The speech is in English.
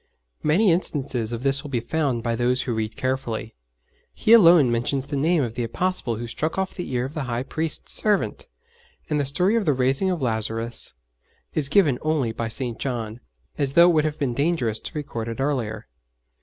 Many instances of this will be found by those who read carefully. He alone mentions the name of the Apostle who struck off the ear of the High Priest's servant, and the story of the raising of Lazarus is given only by St. John as though it would have been dangerous to record it earlier.